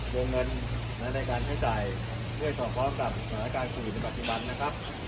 โดยเงินในการให้จ่ายเพื่อต่อพร้อมกับสถานการณ์สวินปฏิบัตินะครับ